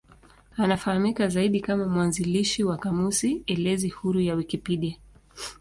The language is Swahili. Anafahamika zaidi kama mwanzilishi wa kamusi elezo huru ya Wikipedia.